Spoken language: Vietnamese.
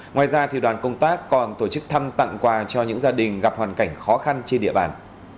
ngoài ra đoàn công tác còn tổ chức thăm tặng quà cho những gia đình gặp hoàn cảnh khó khăn trên địa bàn